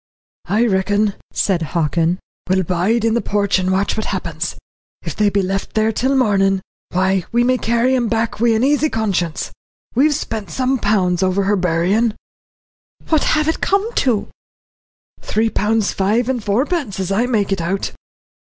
"I reckon," said Hockin, "we'll bide in the porch and watch what happens. If they be left there till mornin', why we may carry 'em back wi' an easy conscience. We've spent some pounds over her buryin'." "What have it come to?" "Three pounds five and fourpence, as I make it out."